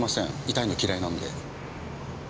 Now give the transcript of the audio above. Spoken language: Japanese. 痛いの嫌いなんで。